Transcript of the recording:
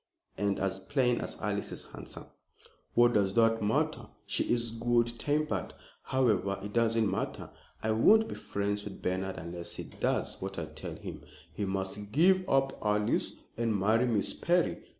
"And as plain as Alice is handsome." "What does that matter? She is good tempered. However, it doesn't matter. I won't be friends with Bernard unless he does what I tell him. He must give up Alice and marry Miss Perry.